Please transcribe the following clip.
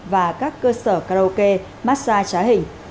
và các cơ sở karaoke massage trái hình